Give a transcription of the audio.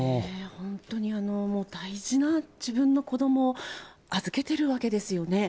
本当にもう大事な自分の子どもを預けてるわけですよね。